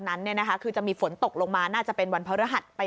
นั้นเนี่ยนะคะคือจะมีฝนตกลงมาน่าจะเป็นวันพระฤหัสไป